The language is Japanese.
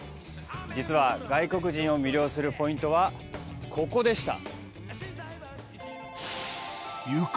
実は、外国人を魅了するポイントは、ここでした。